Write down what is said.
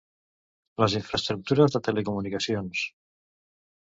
Les infraestructures de telecomunicacions.